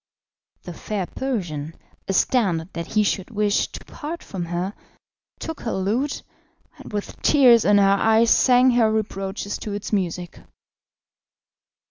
The fair Persian, astounded that he should wish to part from her, took her lute, and with tears in her eyes sang her reproaches to its music.